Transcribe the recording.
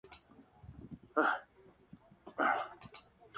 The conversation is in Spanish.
Allí, su esposa, la cantante Riccardi, obtuvo un contrato para una ópera.